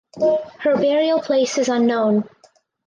Her burial place is unknown.